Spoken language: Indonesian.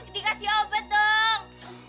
dikasih obat dong